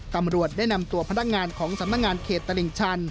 ตำรวจได้นำตัวพนักงานของสำนักงานเขตตลิ่งชัน